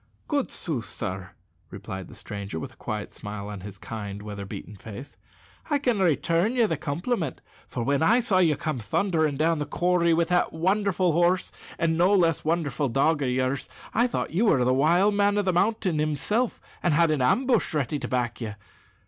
"Good sooth, sir," replied the stranger, with a quiet smile on his kind, weather beaten face, "I can return you the compliment; for when I saw you come thundering down the corrie with that wonderful horse and no less wonderful dog of yours, I thought you were the wild man o' the mountain himself, and had an ambush ready to back you.